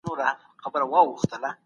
زه د شینو چای په څښلو مصروفه یم.